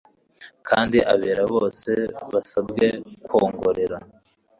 kandi abera bose basabwe kwongorera